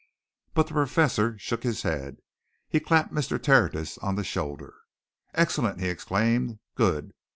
But the Professor shook his head. He clapped Mr. Tertius on the shoulder. "Excellent!" he exclaimed. "Good!